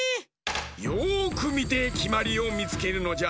よくみてきまりをみつけるのじゃ。